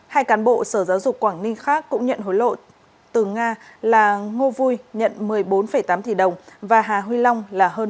hai cán bộ sở giáo dục quảng ninh khác cũng nhận hối lộ từ nga là ngô vui nhận một mươi bốn tám tỷ đồng và hà huy long là hơn một tám tỷ đồng